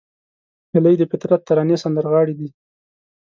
هیلۍ د فطرت ترانې سندرغاړې ده